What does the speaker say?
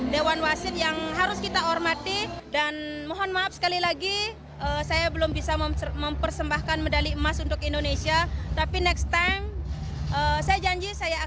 nenengah mengaku kecewa gagal meraih medali emas di hadapan publik sendiri